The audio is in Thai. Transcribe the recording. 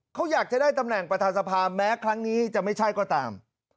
เขาอยากจะได้ตำแหน่งประธานสภาแม้ครั้งนี้จะไม่ใช่ก็ตาม